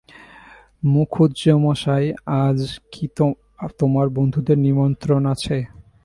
মুখুজ্যেমশায়, আজ কি তোমার বন্ধুদের নিমন্ত্রণ আছে?